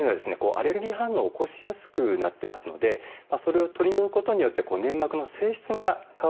アレルギー反応を起こしやすくなってますのでそれを取り除くことによって粘膜の性質が変わってですね